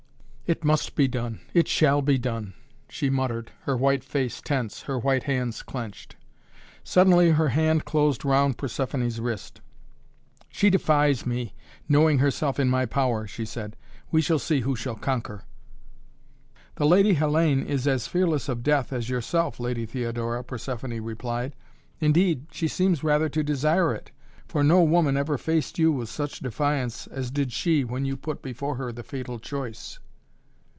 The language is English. "It must be done! It shall be done!" she muttered, her white face tense, her white hands clenched. Suddenly her hand closed round Persephoné's wrist. "She defies me, knowing herself in my power," she said. "We shall see who shall conquer." "The Lady Hellayne is as fearless of death, as yourself, Lady Theodora," Persephoné replied. "Indeed, she seemed rather to desire it, for no woman ever faced you with such defiance as did she when you put before her the fatal choice."